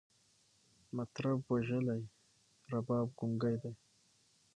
مطرب وژلی، رباب ګونګی دی